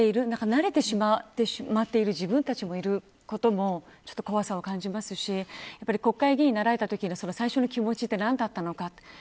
慣れてしまっている自分たちがいることも怖さを感じますし国会議員になられたときの最初の気持ちって何だったのか。